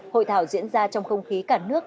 hội thảo diễn ra trong không khí cả nước